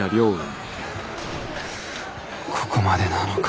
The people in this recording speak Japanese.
ここまでなのか？